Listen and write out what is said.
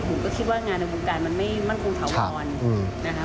ผมก็คิดว่างานในวงการมันไม่มั่นคงถาวรนะคะ